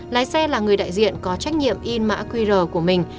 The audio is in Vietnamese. lái xe là người đại diện có trách nhiệm in mã qr của mình